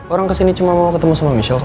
orang kesini cuma mau ketemu sama michelle